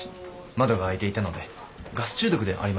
窓が開いていたのでガス中毒ではありません。